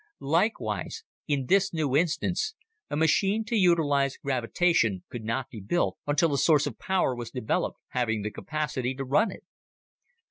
Likewise, in this new instance, a machine to utilize gravitation could not be built until a source of power was developed having the capacity to run it.